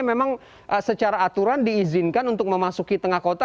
memang secara aturan diizinkan untuk memasuki tengah kota